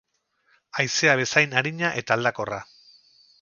Haizea bezain arina eta aldakorra.